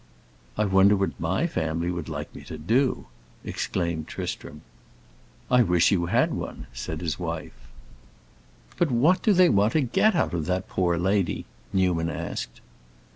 "I wonder what my family would like me to do!" exclaimed Tristram. "I wish you had one!" said his wife. "But what do they want to get out of that poor lady?" Newman asked.